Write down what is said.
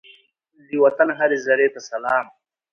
د وطن هرې زرې ته سلام!